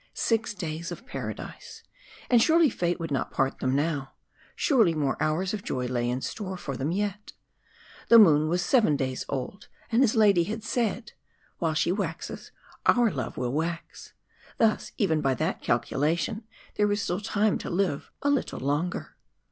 Six days of Paradise. And surely fate would not part them now. Surely more hours of joy lay in store for them yet. The moon was seven days old and his lady had said, "While she waxes our love will wax." Thus, even by that calculation, there was still time to live a little longer.